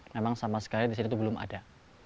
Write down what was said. memang sama sekali di sini itu belum ada